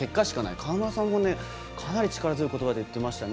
川村さんもかなり力強いことばで言ってました。